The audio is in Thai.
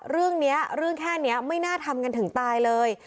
เรื่องนี้เรื่องแค่นี้ไม่น่าทำกันถึงตายเลย